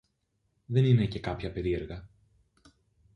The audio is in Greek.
Δεν είναι και κάποια περίεργα